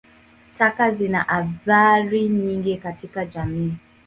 Taka zina athari nyingi katika jamii.